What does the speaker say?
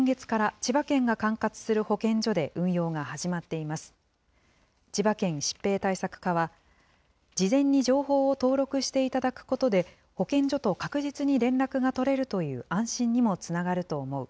千葉県疾病対策課は、事前に情報を登録していただくことで、保健所と確実に連絡が取れるという安心にもつながると思う。